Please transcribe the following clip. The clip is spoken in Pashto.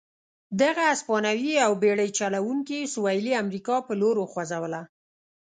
دغه هسپانوي او بېړۍ چلوونکي سوېلي امریکا په لور وخوځوله.